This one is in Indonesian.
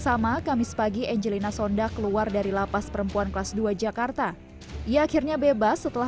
sama kamis pagi angelina sonda keluar dari lapas perempuan kelas dua jakarta ia akhirnya bebas setelah